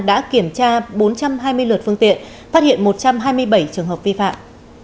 đã kiểm tra bốn trăm hai mươi lượt phương tiện phát hiện một trăm hai mươi bảy trường hợp vi phạm